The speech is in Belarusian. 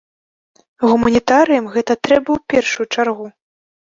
Гуманітарыям гэта трэба ў першую чаргу.